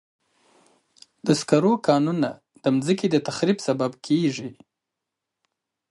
د سکرو کانونه د مځکې د تخریب سبب کېږي.